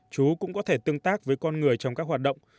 chú cũng có thể tương tác với con người trong các hoạt động